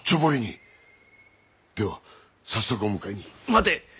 待て。